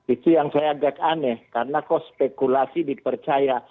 itu yang saya agak aneh karena kok spekulasi dipercaya